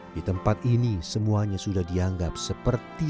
di tempat ini semuanya sudah dianggap seperti